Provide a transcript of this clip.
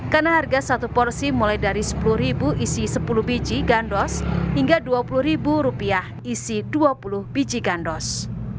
karena harga satu porsi mulai dari sepuluh isi sepuluh biji gandos hingga dua puluh rupiah isi dua puluh biji gandos